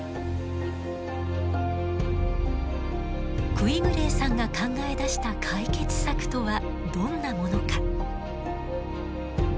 クィグレーさんが考え出した解決策とはどんなものか。